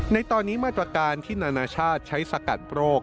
ในตอนนี้มาตรการที่นานาชาติใช้สกัดโรค